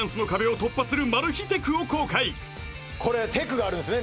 これテクがあるんですね